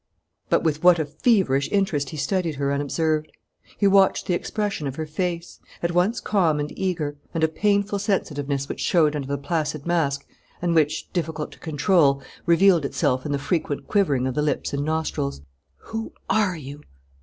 But with what a feverish interest he studied her unobserved! He watched the expression of her face, at once calm and eager, and a painful sensitiveness which showed under the placid mask and which, difficult to control, revealed itself in the frequent quivering of the lips and nostrils. "Who are you?